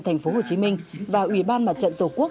tp hcm và ủy ban mặt trận tổ quốc